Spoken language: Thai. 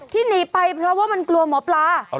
หนีไปเพราะว่ามันกลัวหมอปลา